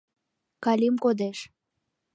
Калим кодеш.